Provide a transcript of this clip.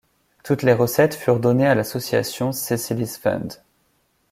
Toutes les recettes furent données à l'association Cecily's Fund.